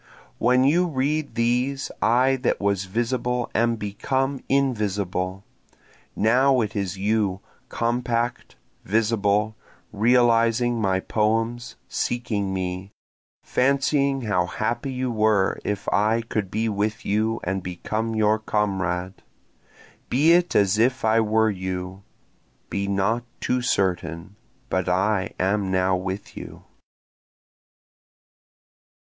When you read these I that was visible am become invisible, Now it is you, compact, visible, realizing my poems, seeking me, Fancying how happy you were if I could be with you and become your comrade; Be it as if I were with you. (Be not too certain but I am now with you.)